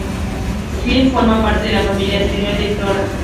Birgit forma parte de la familia asteroidal de Flora.